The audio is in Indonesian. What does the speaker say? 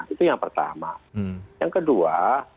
itu yang pertama yang kedua